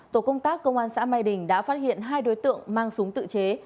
tổ công tác công an xã mai đình đã phát hiện hai đối tượng mang súng tự chế